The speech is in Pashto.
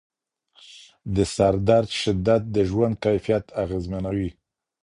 د سردرد شدت د ژوند کیفیت اغېزمنوي.